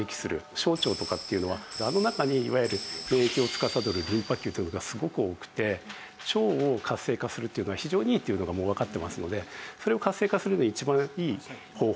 小腸とかっていうのはあの中にいわゆる免疫をつかさどるリンパ球というのがすごく多くて腸を活性化するというのは非常にいいというのがもうわかってますのでそれを活性化するのは一番いい方法。